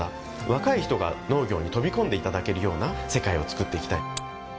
若い人が農業に飛び込んでいただけるような世界をつくって行きたい。